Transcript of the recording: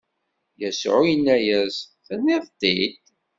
Yasuɛ inna-as: Tenniḍ-t-id!